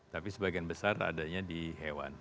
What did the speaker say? tapi sebagian besar adanya di hewan